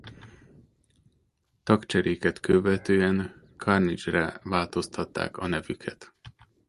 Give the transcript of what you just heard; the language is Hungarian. Tagcseréket követően Carnage-re változtatták a nevüket.